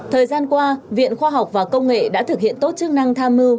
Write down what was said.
thời gian qua viện khoa học và công nghệ đã thực hiện tốt chức năng tham mưu